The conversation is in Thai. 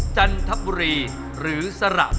กรุงเทพหมดเลยครับ